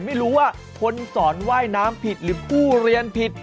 ไม่รู้ว่าคนสอนว่ายน้ำผิดหรือผู้เรียนผิด